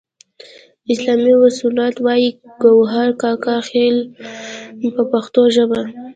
السلام والصلوات وایي ګوهر کاکا خیل په پښتو ژبه.